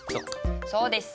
そうです。